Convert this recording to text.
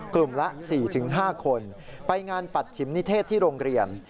กลุ่มละ๔๕คนไปงานปัดฉิมนิเทศที่โรงเรียน